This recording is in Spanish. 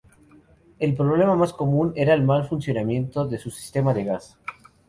El problema más común era el mal funcionamiento de su sistema de gas.